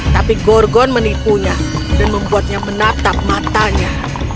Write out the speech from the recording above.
tapi gorgon menipunya dan membuatnya menatap matanya